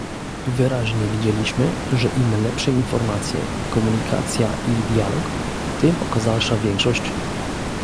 Wyraźnie widzieliśmy, że im lepsze informacje, komunikacja i dialog, tym okazalsza większość